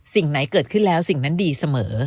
สิ่งไหนเกิดขึ้นแล้วสิ่งนั้นดีเสมอ